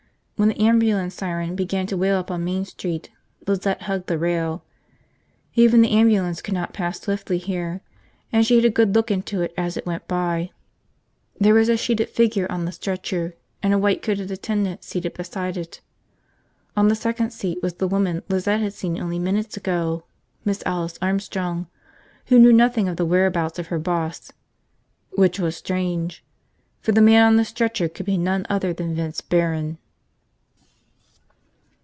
When the ambulance siren began to wail up on Main Street, Lizette hugged the rail. Even the ambulance could not pass swiftly here, and she had a good look into it as it went by. There was a sheeted figure on the stretcher and a white coated attendant seated beside it. On the second seat was the woman Lizette had seen only minutes ago, Miss Alice Armstrong, who knew nothing of the whereabouts of her boss, which was strange, for the man on the stretcher could be none other than Vince Barron.